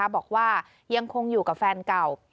บอกว่ายังคงอยู่กับแฟนเก่า